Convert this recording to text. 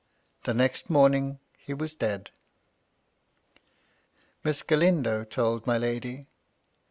The next morning he was dead I Miss Galindo told my lady.